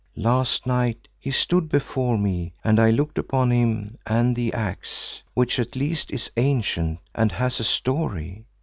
Last night he stood before me and I looked upon him and the axe, which at least is ancient and has a story.